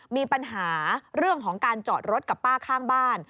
มีปัญหาเรื่องของการจอดรถกับป้าข้างบ้าน